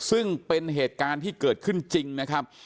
ซึ่งเป็นเหตุการณ์ที่เกิดขึ้นจริงนะครับ